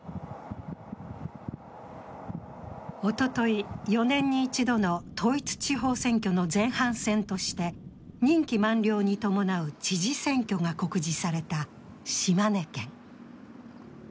おととい、４年に一度の統一地方選挙の前半戦として任期満了に伴う知事選挙が告示された島根県。